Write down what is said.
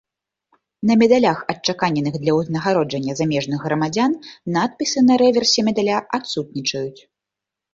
На медалях, адчаканеных для ўзнагароджання замежных грамадзян, надпісы на рэверсе медаля адсутнічаюць.